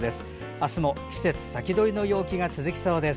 明日も季節先取りの陽気が続きそうです。